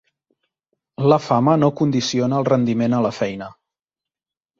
La fama no condiciona el rendiment a la feina.